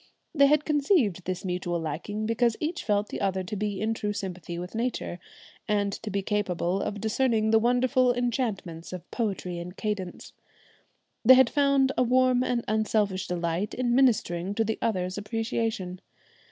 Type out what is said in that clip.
They had conceived this mutual liking because each felt the other to be in true sympathy with nature, and to be capable of discerning the wonderful enchantments of poetry and cadence. They had found a warm and unselfish delight in ministering to the other's appreciation.